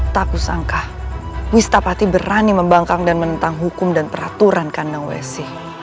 tak usangkah wistapati berani membangkang dan menentang hukum dan peraturan kandang waisi